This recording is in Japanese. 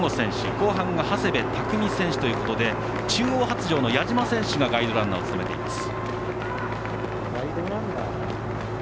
後半は長谷部匠選手ということで中央発條の矢沢選手がガイドランナーを務めています。